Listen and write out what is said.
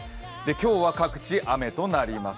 今日は各地雨となります。